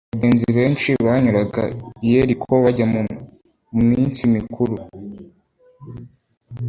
Abagenzi benshi banyuraga i Yeriko bajya mn minsi mikuru.